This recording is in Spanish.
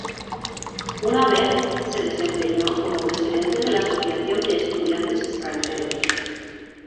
Una vez se desempeñó como presidente de la Asociación de Estudiantes Extranjeros.